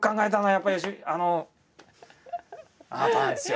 やっぱりあなたなんですよ。